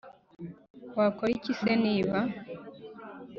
Wakora iki se niba